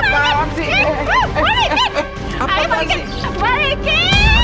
balikin balikin balikin